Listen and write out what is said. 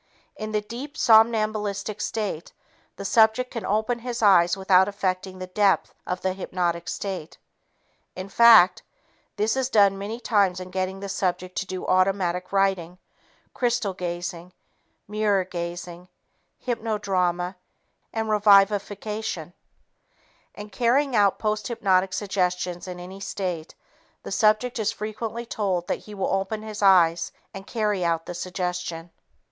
In the deep, somnambulistic state, the subject can open his eyes without affecting the depth of the hypnotic state. In fact, this is done many times in getting the subject to do automatic writing, crystal gazing, mirror gazing, hypnodrama and revivification. In carrying out posthypnotic suggestions in any state, the subject is frequently told that he will open his eyes and carry out the suggestion.